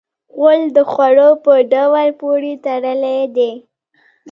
غول د خوړو په ډول پورې تړلی دی.